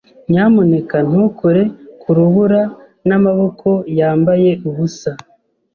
Nyamuneka ntukore ku rubura n'amaboko yambaye ubusa.